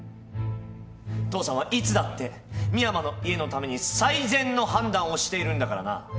父さんはいつだって深山の家のために最善の判断をしているんだからな。